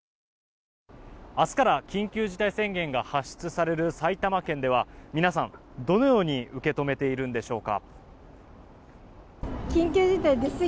明日から緊急事態宣言が発出される埼玉県では皆さん、どのように受け止めているんでしょうか。